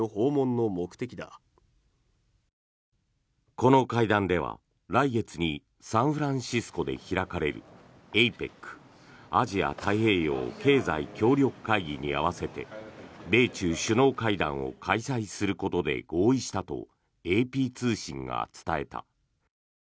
この会談では、来月にサンフランシスコで開かれるＡＰＥＣ・アジア太平洋経済協力会議に合わせて米中首脳会談を開催することで合意したと、ＡＰ通信が伝えた。